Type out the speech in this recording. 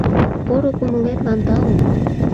Поро кумылетлан тау.